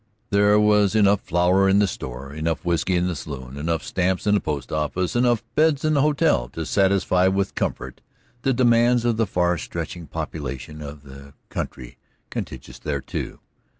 There was enough flour in the store, enough whisky in the saloon; enough stamps in the post office, enough beds in the hotel, to satisfy with comfort the demands of the far stretching population of the country contiguous thereto.